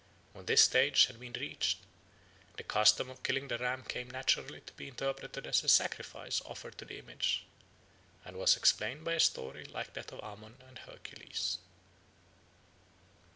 When this stage had been reached, the custom of killing the ram came naturally to be interpreted as a sacrifice offered to the image, and was explained by a story like that of Ammon and Hercules.